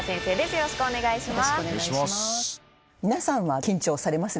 よろしくお願いします。